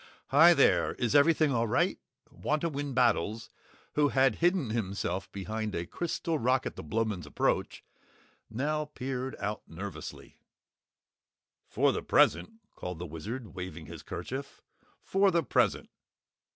"Hi, there is everything all right?" Wantowin Battles, who had hidden himself behind a crystal rock at the Blowmens' approach, now peered out nervously. "For the present," called the Wizard, waving his kerchief, "for the present.